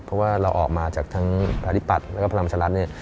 เพราะว่าเราออกมาจากทั้งประธิบัติแล้วก็พลังวัชรัฐ